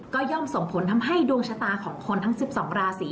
ก็ย่อมส่งผลทำให้ดวงชะตาของคนทั้ง๑๒ราศี